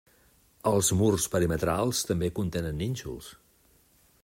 Els murs perimetrals també contenen nínxols.